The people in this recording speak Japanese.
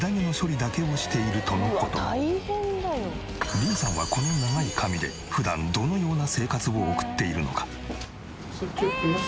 リンさんはこの長い髪で普段どのような生活を送っているのか？